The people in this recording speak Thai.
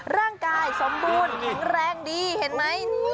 ร่างกายสมบูรณ์แข็งแรงดีเห็นไหม